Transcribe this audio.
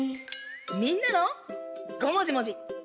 みんなの「ごもじもじ」。